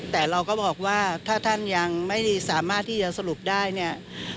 แต่เราก็บอกว่าถ้าท่านยังไม่สามารถที่จะสรุปได้เนี่ย